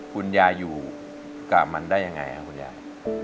คุณยายอยู่กับมันได้ยังไงครับคุณยาย